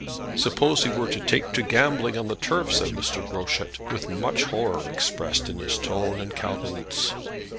"Suppose he were to take to gambling on the turf," said Mr. Groschut, with much horror expressed in his tone and countenance.